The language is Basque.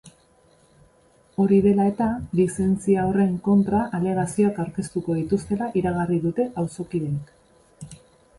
Hori dela eta, lizentzia horren kontra alegazioak aurkeztuko dituztela iragarri dute auzokideek.